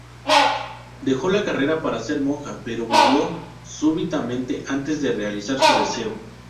Dejó la carrera para ser monja pero murió súbitamente antes de realizar su deseo.